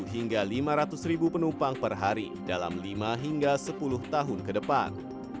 hingga lima ratus ribu penumpang per hari dalam lima hingga sepuluh tahun ke depan